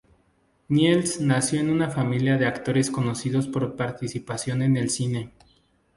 Niels nació en una familia de actores conocidos por participación en el cine.